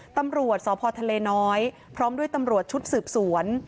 ตำรวจสพนพร้อมด้วยตำรวจชุดสืบสวน